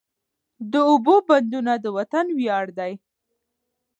د اوبو بندونه د وطن ویاړ دی.